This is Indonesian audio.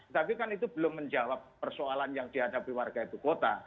tapi kan itu belum menjawab persoalan yang dihadapi warga ibu kota